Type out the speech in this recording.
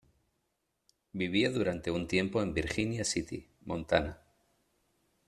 Vivió durante un tiempo en Virginia City, Montana.